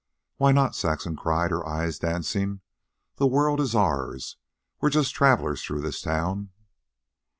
"Why not?" Saxon cried, her eyes dancing. "The world is ours. We're just travelers through this town."